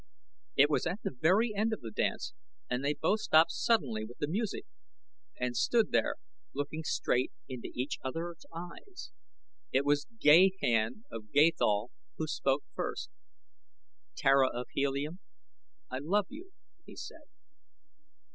It was at the very end of the dance and they both stopped suddenly with the music and stood there looking straight into each other's eyes. It was Gahan of Gathol who spoke first. "Tara of Helium, I love you!" he said.